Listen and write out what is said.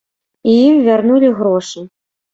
І ім вярнулі грошы.